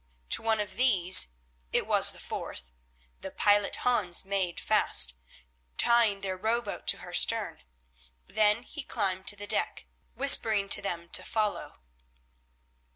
To one of these—it was the fourth—the pilot Hans made fast, tying their row boat to her stern. Then he climbed to the deck, whispering to them to follow.